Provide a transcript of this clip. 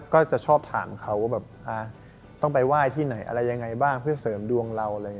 ก็จะชอบถามเขาว่าแบบต้องไปไหว้ที่ไหนอะไรยังไงบ้างเพื่อเสริมดวงเรา